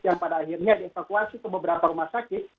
yang pada akhirnya dievakuasi ke beberapa rumah sakit